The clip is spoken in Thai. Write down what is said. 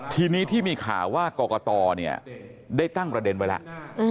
ทีนี้ที่มีข่าวว่ากอกกะตอเนี่ยได้ตั้งประเด็นไปแล้ว